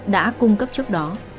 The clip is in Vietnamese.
đã cung cấp trước đó